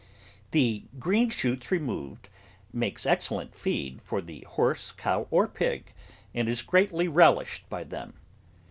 The green shoots removed makes excellent feed for the horse, cow, or pig, and is greatly relished by them.